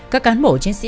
các cán bộ chiến sĩ